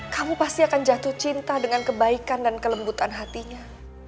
kamu pasti akan jatuh cinta dengan kebaikan dan kelembutan hatinya